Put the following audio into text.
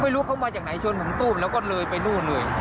ไม่รู้เขามาจากไหนชนผมตู้มแล้วก็เลยไปนู่นเลย